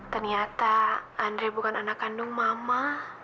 ternyata andre bukan anak kandung mama